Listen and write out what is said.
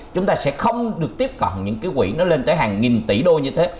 chúng ta sẽ không được tiếp cận những cái quỹ nó lên tới hàng nghìn tỷ đô như thế